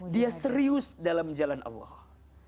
dia serius dalam jalan allah